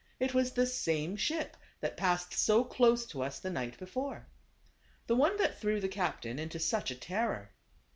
It was the same ship that passed so close to us the night before. The one that threw the captain into such a terror.